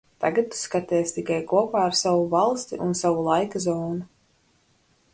Tagad tu skaties tikai kopā ar savu valsti un savu laika zonu.